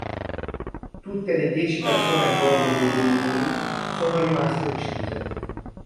Tutte le dieci persone a bordo dei velivoli sono rimaste uccise.